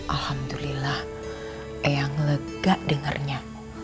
alhamdulillah eyang lega dengarnya